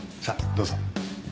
さあどうぞ。